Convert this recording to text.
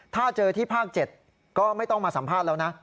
ถ้าเจอที่ภาค๗ก็ไม่ต้องมาสัมภาษณ์แล้วนะ